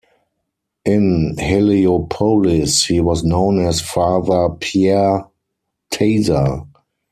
In Heliopolis he was known as Father Pierre Taza.